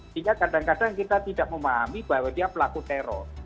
sehingga kadang kadang kita tidak memahami bahwa dia pelaku teror